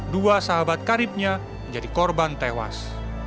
dua sahabat karibnya menjadi korban tewas